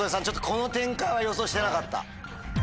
この展開は予想してなかった？